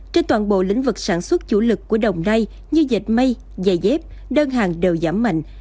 trên toàn bộ lĩnh vực sản xuất chủ lực của đồng nai như dệt may giày dép đơn hàng đều giảm mạnh